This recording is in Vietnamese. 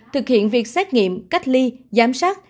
thực hiện việc xét nghiệm cách ly giám sát